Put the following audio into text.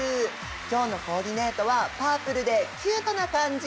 今日のコーディネートはパープルでキュートな感じ。